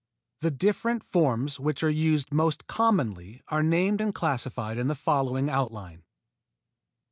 The different forms which are used most commonly are named and classified in the following outline: _A.